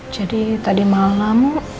jadi tadi malam